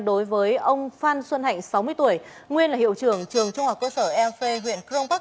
đối với ông phan xuân hạnh sáu mươi tuổi nguyên là hiệu trưởng trường trung học cơ sở eop huyện crong park